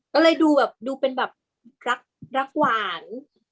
ก็เลยดูแบบดูเป็นแบบรักหวาน